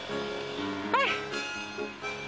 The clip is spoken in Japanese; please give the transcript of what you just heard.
はい！